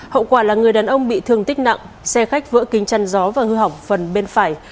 hậu quả là người đàn ông bị thương tích nặng xe khách vỡ kính chăn gió và hư hỏng phần bên phải